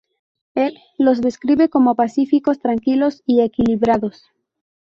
Él los describe como pacíficos, tranquilos y equilibrados.